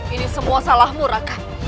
ini semua salahmu raka